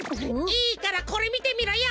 いいからこれみてみろよ！